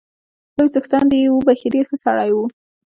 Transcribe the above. لوی څښتن دې يې وبخښي، ډېر ښه سړی وو